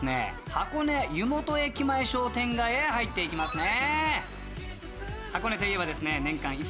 箱根湯本駅前商店街へ入っていきますね。